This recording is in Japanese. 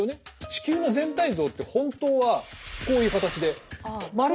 地球の全体像って本当はこういう形で丸いですよね。